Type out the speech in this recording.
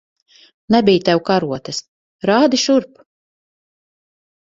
Nebij tev karotes. Rādi šurp!